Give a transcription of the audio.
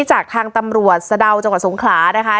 จากทางตำรวจสะดาวจังหวัดสงขลานะคะ